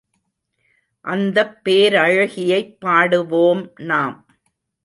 அந்தப் பேரழகியைப் பாடுவோம் நாம்.